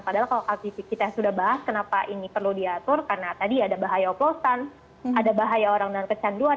padahal kalau kita sudah bahas kenapa ini perlu diatur karena tadi ada bahaya oplosan ada bahaya orang dengan kecanduan